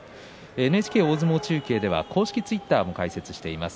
ＮＨＫ大相撲中継では公式ツイッターを開設しています。